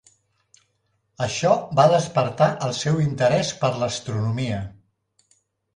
Això va despertar el seu interès per l'astronomia.